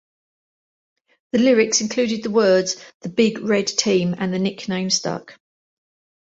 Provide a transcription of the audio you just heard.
The lyrics included the words "the big, red team," and the nickname stuck.